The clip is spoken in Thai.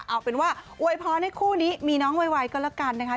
เอาเป็นว่าอวยพรให้คู่นี้มีน้องไวก็แล้วกันนะคะ